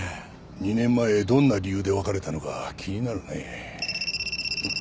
２年前どんな理由で別れたのか気になるねえ。